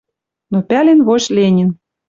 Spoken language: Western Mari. Но пӓлен вождь Ленин